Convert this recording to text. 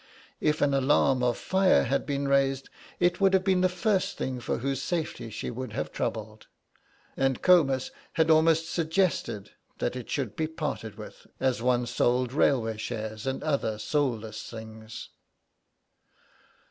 If an alarm of fire had been raised it would have been the first thing for whose safety she would have troubled. And Comus had almost suggested that it should be parted with, as one sold railway shares and other soulless things.